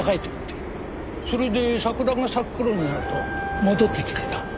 それで桜が咲く頃になると戻ってきてた。